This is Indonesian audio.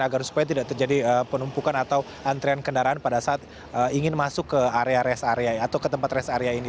agar supaya tidak terjadi penumpukan atau antrian kendaraan pada saat ingin masuk ke area rest area atau ke tempat rest area ini